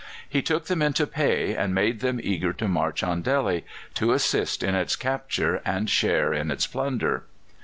He took them into pay, and made them eager to march on Delhi, to assist in its capture and share in its plunder.